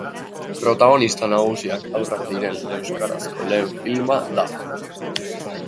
Protagonista nagusiak haurrak diren euskarazko lehen filma da.